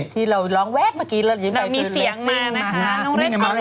ที่เราลองแว๊กเมื่อกี้แล้วยิ้มไปเร็สซิ่งมานะคะ